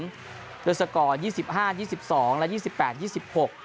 ด้วยสกอร์ยี่สิบห้ายี่สิบสองและยี่สิบแปดยี่สิบหก